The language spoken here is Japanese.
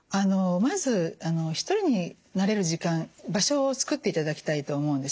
まず一人になれる時間場所を作っていただきたいと思うんですね。